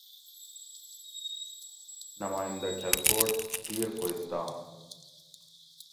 نمائندہ کھلکوٹ (دیر کوہستان)